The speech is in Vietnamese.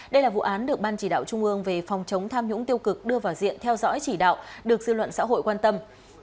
đây là vụ án được ban chỉ đạo trung ương về phòng chống tham nhũng tiêu cực đưa vào diện theo dõi chỉ đạo được dư luận xã hội quan tâm